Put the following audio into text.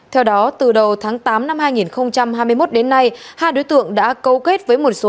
theo đó từ đầu tháng tám năm hai nghìn hai mươi một đến nay hai đối tượng đã câu kết với một số